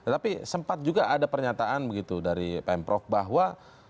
tapi sempat juga ada pernyataan begitu dari pemprov bahwa